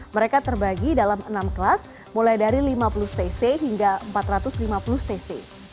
mereka terbagi dalam enam kelas mulai dari lima puluh cc hingga empat ratus lima puluh cc